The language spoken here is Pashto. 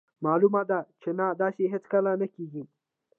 مالومه ده چې نه داسې هیڅکله نه کیږي.